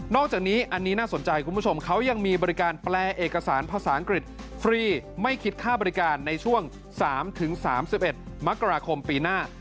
อกจากนี้อันนี้น่าสนใจคุณผู้ชมเขายังมีบริการแปลเอกสารภาษาอังกฤษฟรีไม่คิดค่าบริการในช่วง๓๓๑มกราคมปีหน้า